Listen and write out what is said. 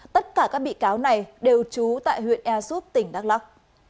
tất cả các bị cáo này đều trú tại huyện e soup tỉnh đắk lắc